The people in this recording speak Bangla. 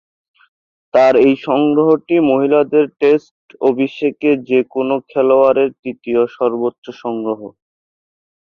তার এ সংগ্রহটি মহিলাদের টেস্ট অভিষেকে যে-কোন খেলোয়াড়ের তৃতীয় সর্বোচ্চ সংগ্রহ।